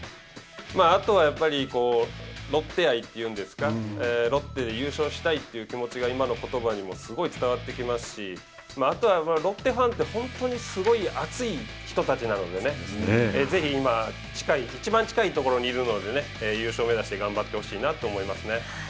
あとはやっぱりロッテ愛というんですかロッテで優勝したいという気持ちが今のことばにもすごい伝わってきますしあとはロッテファンって本当にすごい熱い人たちなのでぜひ今いちばん近いところにいるので優勝を目指して頑張ってほしいなと思いますね。